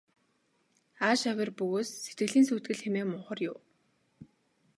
Ааш авир бөгөөс сэтгэлийн сүйтгэл хэмээн мунхар юу.